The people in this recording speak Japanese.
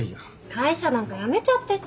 会社なんか辞めちゃってさ。